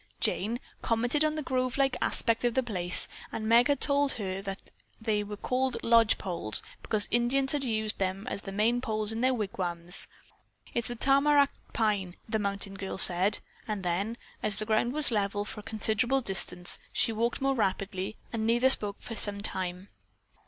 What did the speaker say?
Jane commented on the grove like aspect of the place, and Meg at once told her that they were called lodge pole trees because Indians had used them as the main poles in their wigwams. "It is the Tamarack Pine," the mountain girl said, and then, as the ground was level for a considerable distance, she walked more rapidly, and neither spoke for some time.